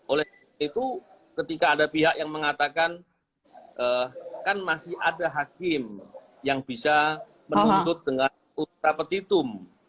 oleh itu ketika ada pihak yang mengatakan kan masih ada hakim yang bisa menuntut dengan ultra petitum